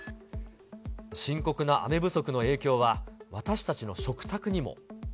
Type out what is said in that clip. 深刻な雨不足の影響は、私たちの食卓にも。